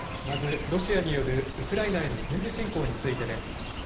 まず、ロシアによるウクライナへの軍事侵攻についてです。